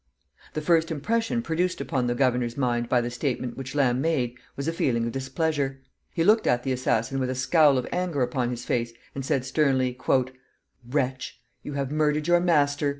The first impression produced upon the governor's mind by the statement which Lamb made was a feeling of displeasure. He looked at the assassin with a scowl of anger upon his face, and said sternly, "Wretch! you have murdered your master.